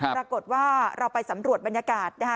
ปรากฏว่าเราไปสำรวจบรรยากาศนะคะ